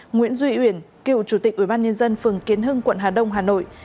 nguyễn duy uyển cựu chủ tịch ủy ban nhân dân phường kiến hưng quận hà đông hà nội